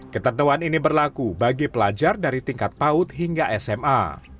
ketentuan ini berlaku bagi pelajar dari tingkat paut hingga sma